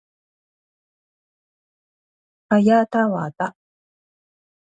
はやたわた